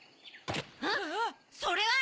ん⁉ん⁉それは！